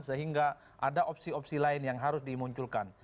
sehingga ada opsi opsi lain yang harus dimunculkan